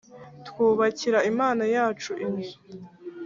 Twubakira Imana yacu inzu